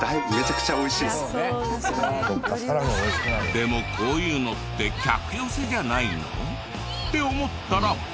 でもこういうのって客寄せじゃないの？って思ったら。